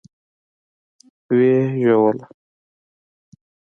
ويې ژدويله.